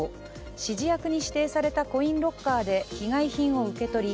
指示役に指定されたコインロッカーで被害品を受け取り